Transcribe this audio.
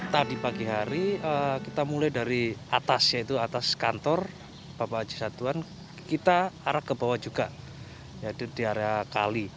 tadi pagi hari kita mulai dari atas yaitu atas kantor bapak haji satuan kita arah ke bawah juga yaitu di area kali